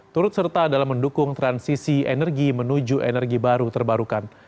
turut serta dalam mendukung transisi energi menuju energi baru terbarukan